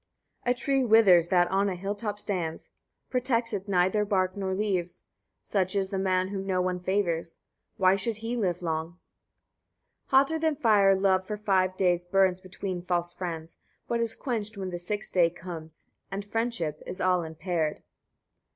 50. A tree withers that on a hill top stands; protects it neither bark nor leaves: such is the man whom no one favours: why should he live long? 51. Hotter than fire love for five days burns between false friends; but is quenched when the sixth day comes, and friendship is all impaired.